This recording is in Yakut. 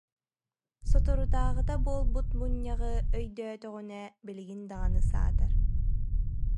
Соторутааҕыта буолбут мунньаҕы ійдіітіҕүнэ билигин даҕаны саатар